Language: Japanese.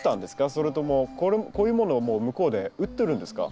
それともこういうものをもう向こうで売ってるんですか？